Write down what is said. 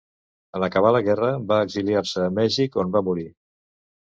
En acabar la guerra va exiliar-se a Mèxic, on va morir.